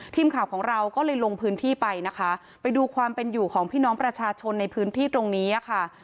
ทีมข่าวของเราก็เลยลงพื้นที่ไปนะคะไปดูความเป็นอยู่ของพี่น้องประชาชนในพื้นที่ตรงนี้ค่ะ